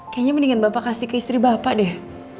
kayaknya mendingan bapak kasih ke istri bapak deh